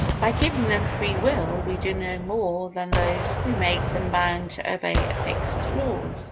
By giving them free will we do no more than those who make them bound to obey fixed laws.